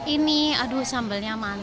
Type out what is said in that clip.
ini aduh sambalnya amat enak